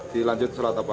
di lanjut sholat apa